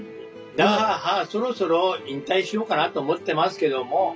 そろそろ引退しようかなと思ってますけども。